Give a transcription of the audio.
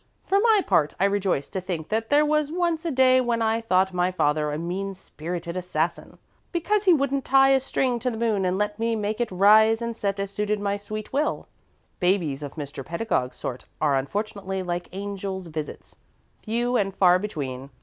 For my part, I rejoice to think that there was once a day when I thought my father a mean spirited assassin, because he wouldn't tie a string to the moon and let me make it rise and set as suited my sweet will. Babies of Mr. Pedagog's sort are fortunately like angel's visits, few and far between.